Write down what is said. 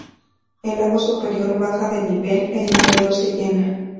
El lago superior baja de nivel, el inferior se llena.